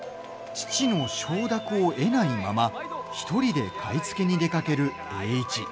父の承諾を得ないまま１人で買い付けに出かける栄一。